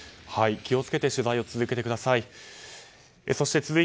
気を付けて取材を続けてください。